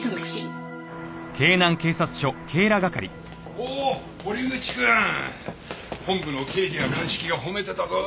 おっ堀口くん。本部の刑事や鑑識が褒めてたぞ。